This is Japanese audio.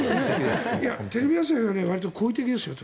テレビ朝日はわりと好意的ですよ。